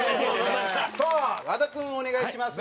さあ和田君お願いします。